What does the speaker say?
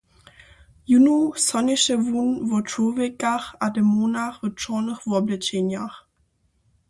Jónu sonješe wón wo čłowjekach a demonach w čornych woblečenjach.